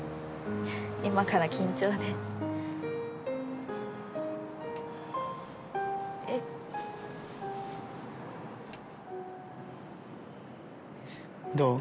今から緊張でえっどう？